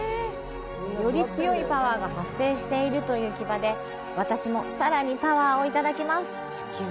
より強いパワーが発生しているという氣場で私もさらにパワーをいただきます。